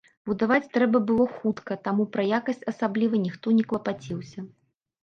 Будаваць трэба было хутка, таму пра якасць асабліва ніхто не клапаціўся.